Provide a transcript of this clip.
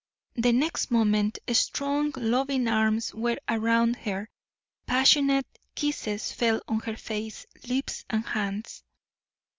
The next moment strong loving arms were around her, passionate kisses fell on her face, lips and hands.